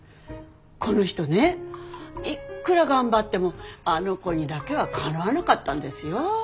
この人ねいっくら頑張ってもあの子にだけはかなわなかったんですよ。